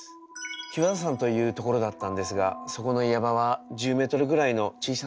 日和田山という所だったんですがそこの岩場は１０メートルぐらいの小さな岩でした。